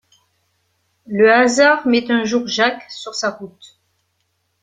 Le hasard met un jour Jack sur sa route.